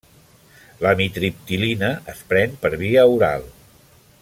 L'amitriptilina es pren per via oral.